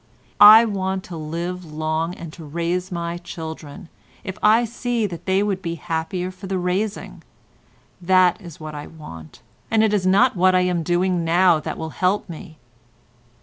I want to live long and to raise my children, if I see they would be happier for the raising; that is what I want, and it is not what I am doing now that will help me.